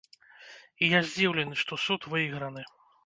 І я здзіўлены, што суд выйграны.